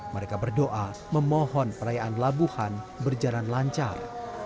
mereka berdoa memohon perayaan labuhan berjalan lancar